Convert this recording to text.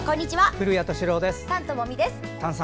古谷敏郎です。